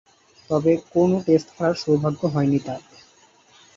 তবে কোন টেস্ট খেলার সৌভাগ্য হয়নি তার।